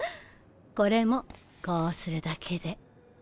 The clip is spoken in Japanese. これもこうするだけで。